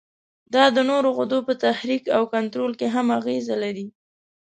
دا د نورو غدو په تحریک او کنترول کې هم اغیزه لري.